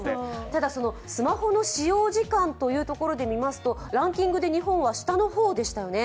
ただ、スマホの使用時間ということでみますとランキングで日本は下の方でしたよね。